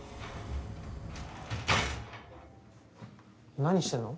何してんの？